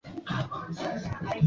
Juzi nililala